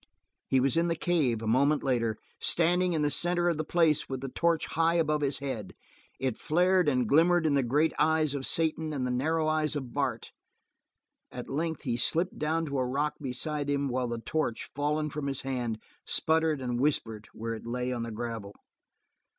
He was in the cave, a moment later, standing in the center of the place with the torch high above his head; it flared and glimmered in the great eyes of Satan and the narrow eyes of Bart. At length he slipped down to a rock beside him while the torch, fallen from his hand, sputtered and whispered where it lay on the gravel.